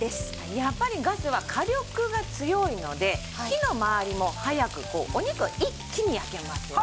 やっぱりガスは火力が強いので火の回りも早くお肉が一気に焼けますよね。